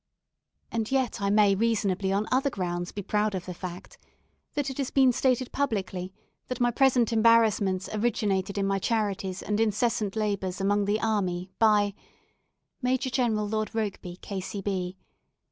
And yet I may reasonably on other grounds be proud of the fact, that it has been stated publicly that my present embarrassments originated in my charities and incessant labours among the army, by Major General Lord Rokeby, K.C.